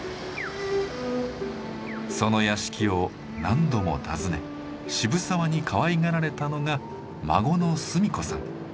その屋敷を何度も訪ね渋沢にかわいがられたのが孫の純子さん。